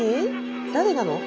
誰なの？